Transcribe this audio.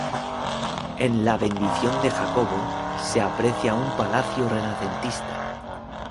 En La bendición de Jacobo se aprecia un palacio renacentista.